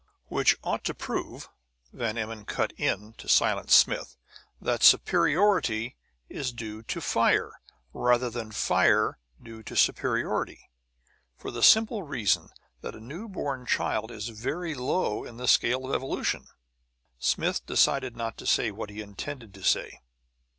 "Which ought to prove," Van Emmon cut in to silence Smith, "that superiority is due to fire, rather than fire due to superiority, for the simple reason that a newborn child is very low in the scale of evolution." Smith decided not to say what he intended to say.